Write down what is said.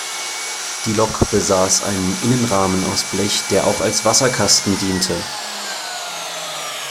Die Lok besaß einen Innenrahmen aus Blech, der auch als Wasserkasten diente.